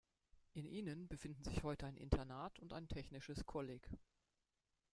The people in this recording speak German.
In ihnen befinden sich heute ein Internat und ein technisches Kolleg.